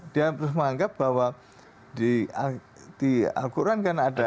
dia terus menganggap bahwa di al quran kan ada